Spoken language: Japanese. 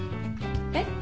えっ？